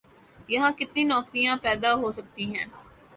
یہاں کتنی نوکریاں پیدا ہو سکتی ہیں؟